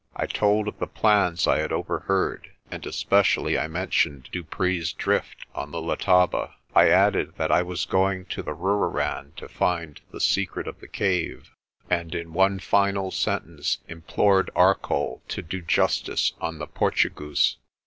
I told of the plans I had overheard, and especially I mentioned Dupree's Drift on the Letaba. I added that I was going to the Roorirand to find the secret of the cave, 124 PRESTER JOHN and in one final sentence implored Arcoll to do justice on the Portugoose.